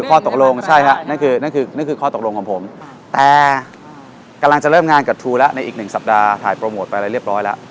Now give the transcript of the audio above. ก็โหมดไปแล้วเรียบร้อยแล้ว